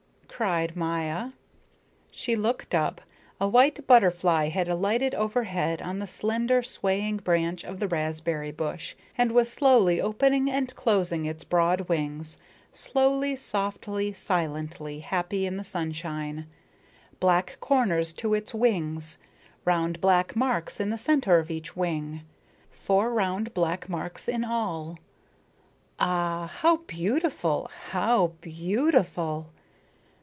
cried Maya. She looked up. A white butterfly had alighted overhead on a slender, swaying branch of the raspberry bush, and was slowly opening and closing its broad wings slowly, softly, silently, happy in the sunshine black corners to its wings, round black marks in the centre of each wing, four round black marks in all. Ah, how beautiful, how beautiful!